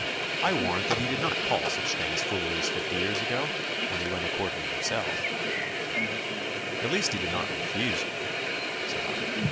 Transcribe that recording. I warrant that he did not call such things fooleries fifty years ago, when he went a courting himself.' 'At least he did not refuse you,' said I.